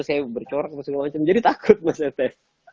saya bercorak jadi takut mas etes